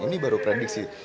ini baru prediksi